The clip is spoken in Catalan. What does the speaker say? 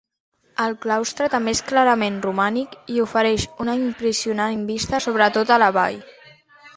El claustre també és clarament romànic i ofereix una impressionant vista sobre tota la vall.